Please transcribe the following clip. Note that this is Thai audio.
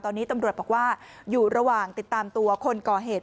ตอนนี้ตำรวจบอกว่าอยู่ระหว่างติดตามตัวคนก่อเหตุ